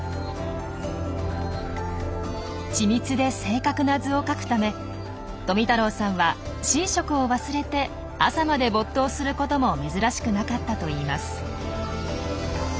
緻密で正確な図を書くため富太郎さんは寝食を忘れて朝まで没頭することも珍しくなかったといいます。